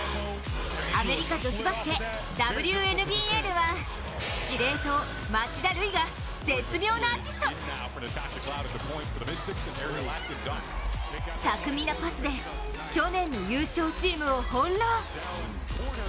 アメリカ女子バスケＷＮＢＡでは司令塔・町田瑠唯が絶妙なアシスト巧みなパスで去年の優勝チームを翻弄。